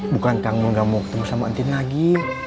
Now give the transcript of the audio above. bukan kamu gak mau ketemu sama tintin lagi